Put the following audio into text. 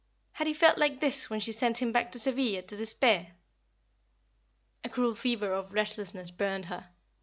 Had he felt like this when she sent him back to Seville to despair? A cruel fever of restlessness burned her.